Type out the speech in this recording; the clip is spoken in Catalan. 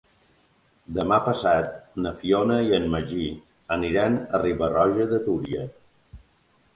Demà passat na Fiona i en Magí aniran a Riba-roja de Túria.